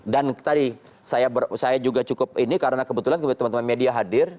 dan tadi saya juga cukup ini karena kebetulan teman teman media hadir